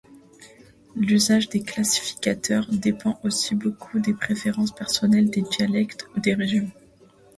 L'usage des classificateurs dépend aussi beaucoup des préférences personnelles, des dialectes ou des régions.